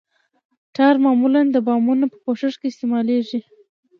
ټار معمولاً د بامونو په پوښښ کې استعمالیږي